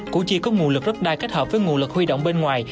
củ chi có nguồn lực đất đai kết hợp với nguồn lực huy động bên ngoài